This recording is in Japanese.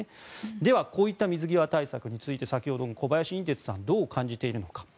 では、こういった水際対策について先ほどの小林寅てつさんはどう感じているのか。